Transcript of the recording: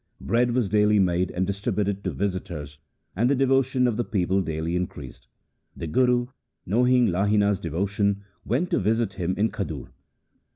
Bread was daily made and distributed to visitors, and the devotion of the people daily increased. The Guru, knowing Lahina's devotion, went to visit him in Khadur.